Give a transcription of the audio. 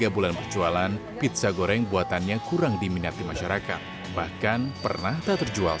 tiga bulan perjualan pizza goreng buatannya kurang diminati masyarakat bahkan pernah tak terjual